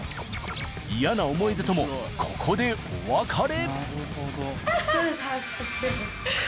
嫌な思い出ともここでお別れ。